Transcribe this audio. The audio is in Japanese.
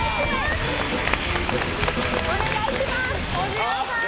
お願いします！